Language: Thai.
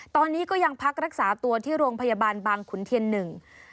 ตอนนี้ก็ยังพักรักษาตัวที่โรงพยาบาลบางขุนเทียนหนึ่ง